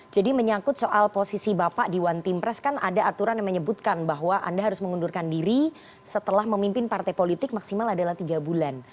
jadi menyangkut soal posisi bapak di one team press kan ada aturan yang menyebutkan bahwa anda harus mengundurkan diri setelah memimpin partai politik maksimal adalah tiga bulan